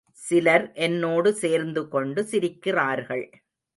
சிலர் என்னோடு சேர்ந்துகொண்டு சிரிக்கிறார்கள்.